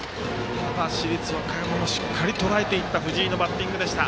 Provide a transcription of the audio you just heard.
市立和歌山もしっかりとらえていった藤井のバッティングでした。